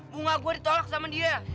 bunga gue ditolak sama dia